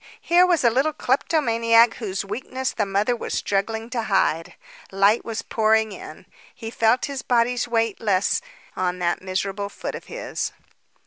Here was a little kleptomaniac whose weakness the mother was struggling to hide. Light was pouring in. He felt his body's weight less on that miserable foot of his.